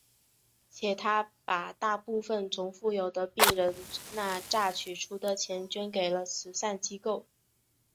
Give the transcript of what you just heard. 且他把大部分从富有的病人那榨取出的钱捐给了慈善机构。